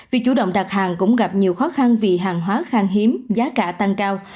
việc chủ động đặt hàng cũng gặp nhiều khó khăn vì hàng hóa khang hiếm giá cả tăng cao